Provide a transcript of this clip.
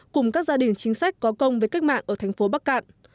cùng các gia đình chính sách có công với cách mạng ở thành phố bắc cạn